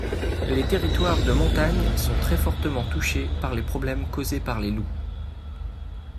Les territoires de montagne sont très fortement touchés par les problèmes causés par les loups.